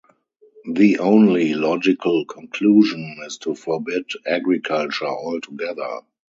The only logical conclusion is to forbid agriculture altogether.